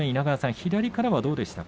左からはどうでしたか。